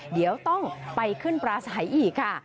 เดี๋ยวต้องไปขึ้นปลาใสอีกค่ะ